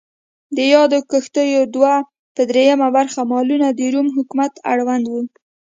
د یادو کښتیو دوه پر درېیمه برخه مالونه د روم حکومت اړوند و.